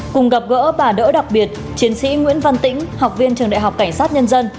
cùng gặp gỡ bà đỡ đặc biệt chiến sĩ nguyễn văn tĩnh học viên trường đại học cảnh sát nhân dân